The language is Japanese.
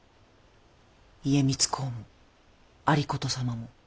家光公も有功様も。